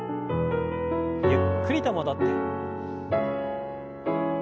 ゆっくりと戻って。